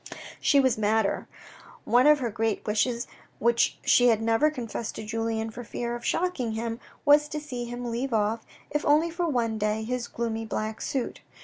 She was madder. One of her great wishes which she had never confessed to Julien for fear of shocking him, was to see him leave off, if only for one day, his gloomy black suit.